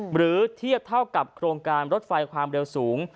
หรือเทียบเท่ากับโครงการรถไฟความเร็วสูง